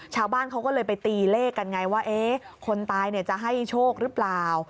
ชาวบ้านเขาก็เลยไปตีเลขกันไงว่าคนตายจะให้โชคหรือเปล่า